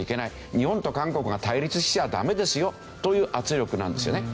日本と韓国が対立しちゃダメですよという圧力なんですよね。